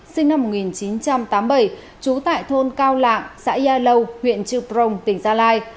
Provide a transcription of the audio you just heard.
sinh năm một nghìn chín trăm tám mươi bảy trú tại thôn cao lạng xã gia lâu huyện chư prong tỉnh gia lai